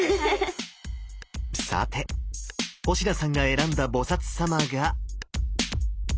さて星名さんが選んだ菩様が。